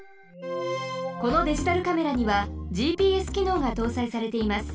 このデジタルカメラにはＧＰＳきのうがとうさいされています。